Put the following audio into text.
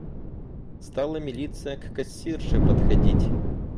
Стала милиция к кассирше подходить.